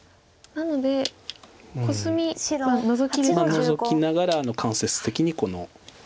ノゾきながら間接的にこの。